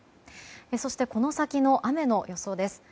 そして、この先の雨の予想です。